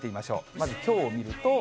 まずきょうを見ると。